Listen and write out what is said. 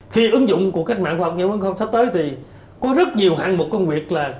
khi ứng dụng của cách mạng khoa học nghiên cứu không sắp tới thì có rất nhiều hạng mục công việc là